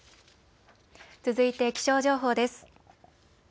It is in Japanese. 続いて気象情報です。